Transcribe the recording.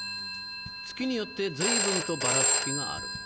月によって随分とばらつきがある。